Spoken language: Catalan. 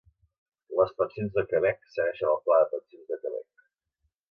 Les pensions de Quebec segueixen el Pla de Pensions de Quebec.